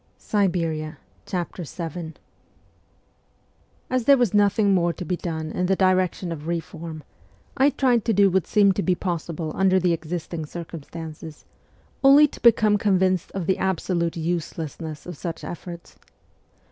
VII As there was nothing more to be done in the direction of reform, I tried to do what seemed to be possible under the existing circumstances only to become convinced of the absolute uselessness of such efforts.